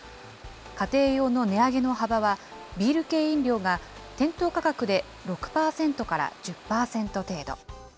家庭用の値上げの幅は、ビール系飲料が店頭価格で６％から１０％程度。